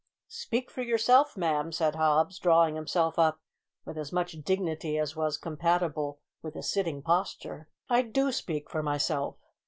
"Speak for yourself; ma'am," said Hobbs, drawing himself up with as much dignity as was compatible with a sitting posture. "I do speak for myself.